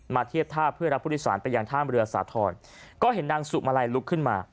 มาเทียบท่าเพื่อรับพุทธศาลไปยังท่ามเรือสะท้อนก็เห็นนางสุมาลัยลุกขึ้นมา